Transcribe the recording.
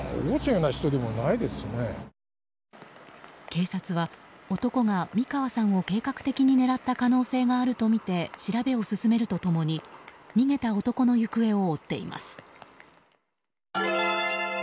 警察は男が三川さんを計画的に狙った可能性があるとみて調べを進めると共に逃げた男の行方を追っています。